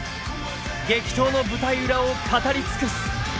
激闘の舞台裏を語り尽くす。